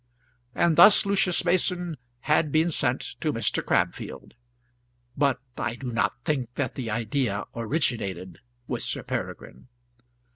And thus Lucius Mason had been sent to Mr. Crabfield, but I do not think that the idea originated with Sir Peregrine.